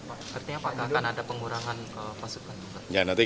artinya apakah akan ada pengurangan kemasukan